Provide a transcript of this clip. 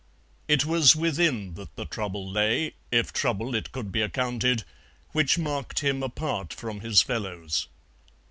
It was within that the trouble lay, if trouble it could be accounted, which marked him apart from his fellows.